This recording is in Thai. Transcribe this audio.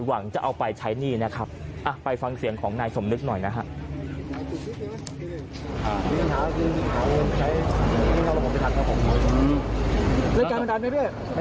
หวังจะเอาไปใช้หนี้นะครับไปฟังเสียงของนายสมนึกหน่อยนะฮะ